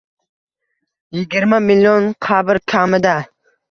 Yigirma million qabr kammidi